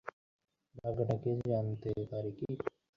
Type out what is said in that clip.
আক্রান্তরা তার রক্তের কারণে তাকে আক্রমণ করছে না।